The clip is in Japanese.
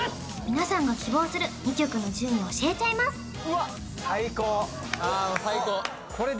皆さんが希望する２曲の順位を教えちゃいます最高っ・